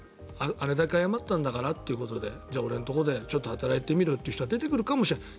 あれだけ謝ったんだからということで俺のところで働いてみる？という人は出てくるかもしれない。